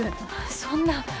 そんな。